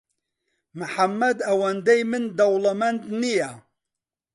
محەممەد ئەوەندی من دەوڵەمەند نییە.